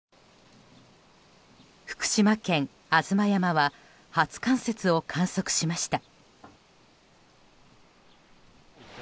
福島県吾妻山は初冠雪を観測しました。